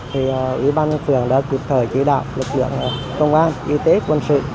thì ủy ban nhân phường đã kịp thời chỉ đạo lực lượng công an y tế quân sự